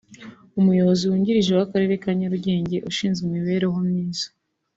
Umuyobozi wungirije w’Akarere ka Nyarugenge ushinzwe imibereho myiza